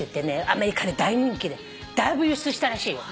アメリカで大人気でだいぶ輸出したらしいよ。